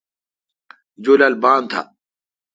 جولال بان تھا۔